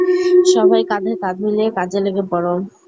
সবাই কাঁধে-কাঁধ মিলিয়ে কাজে লেগে পড়ো!